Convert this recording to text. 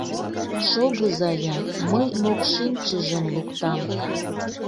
Шогыза-я, мый мокшинчыжым луктам...